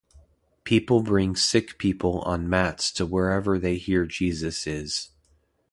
People bring sick people on mats to wherever they hear Jesus is.